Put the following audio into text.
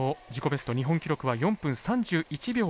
ベスト日本記録は４分３１秒６９。